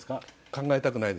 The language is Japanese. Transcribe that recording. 考えたくないですね。